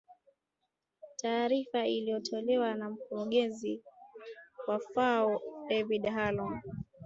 taarifa iliyotolewa na mkurugenzi wa fao david halan